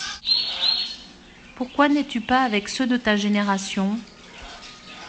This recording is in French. Pourquoi n'es-tu pas avec ceux de ta génération ?